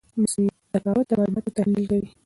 مصنوعي ذکاوت د معلوماتو تحلیل کوي.